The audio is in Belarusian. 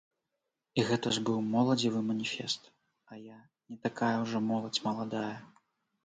І гэта ж быў моладзевы маніфест, а я не такая ўжо моладзь маладая.